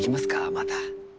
また。